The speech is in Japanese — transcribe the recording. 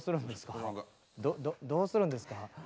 どどどうするんですか。